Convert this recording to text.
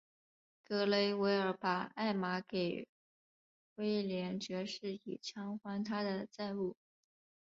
格雷维尔把艾玛给威廉爵士以偿还他的债务。